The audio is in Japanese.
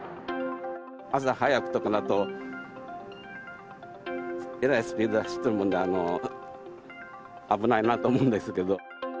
朝早くとかだと、えらいスピードで走ってるもんで、危ないなと思うんですけど。